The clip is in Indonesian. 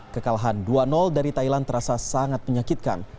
kekalahan dua dari thailand terasa sangat menyakitkan